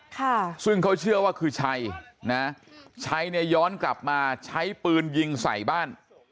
ค่ะซึ่งเขาเชื่อว่าคือชัยนะชัยเนี่ยย้อนกลับมาใช้ปืนยิงใส่บ้าน